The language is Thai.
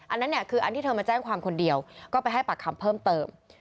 อันนั้นเนี่ยคืออันที่เธอมาแจ้งความคนเดียวก็ไปให้ปากคำเพิ่มเติม